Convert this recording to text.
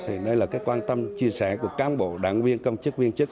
thì đây là cái quan tâm chia sẻ của cán bộ đảng viên công chức viên chức